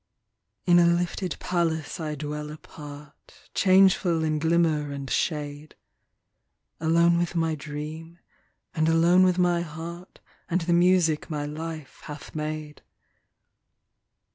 T N a lifted palace I dwell apart, Changeful in glimmer and shade ; Alone with my dream, and alone with my heart, And the music my life hath made.